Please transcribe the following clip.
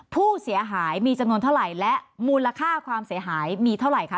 ผู้เสียหายมีจำนวนเท่าไหร่และมูลค่าความเสียหายมีเท่าไหร่คะ